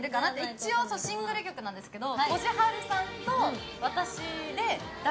一応シングル曲なんですけど。